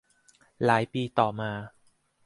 หลายปีต่อมา